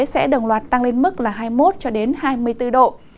sẽ đồng loạt tăng lên mức hai mươi một hai mươi bốn độ